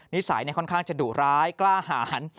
นิสัยค่อนข้างจะดุร้ายกล้าหาร